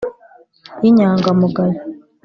y' iny:angamugayo